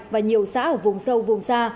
và nhiều xã ở vùng sâu vùng xa